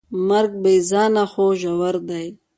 مرګ بېځانه خو ژور دی.